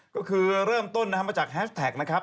ก็คือเริ่มต้นนะครับมาจากแฮชแท็กนะครับ